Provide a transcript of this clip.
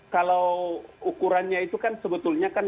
kalau ukurannya itu kan sebetulnya kan